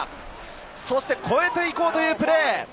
そして、越えていこうというプレーです。